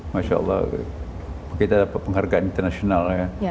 masya allah kita dapat penghargaan internasional ya